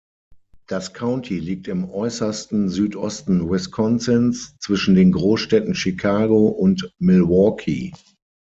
Das County liegt im äußersten Südosten Wisconsins zwischen den Großstädten Chicago und Milwaukee.